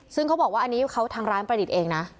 ซึ่งเขาบอกว่าอันนี้เขาทางร้านประดิษฐ์เองนะ